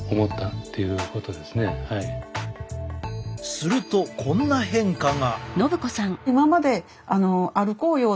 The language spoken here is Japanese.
するとこんな変化が。